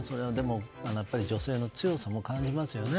やっぱり女性の強さも感じますよね。